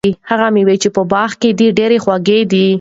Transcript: هغه مېوه چې په باغ کې ده، ډېره خوږه ده.